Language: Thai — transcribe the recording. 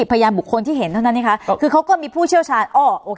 พยานบุคคลที่เห็นเท่านั้นนะคะคือเขาก็มีผู้เชี่ยวชาญอ้อโอเค